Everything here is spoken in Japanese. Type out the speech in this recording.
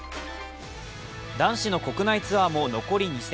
男子の国内ツアーも残り２戦。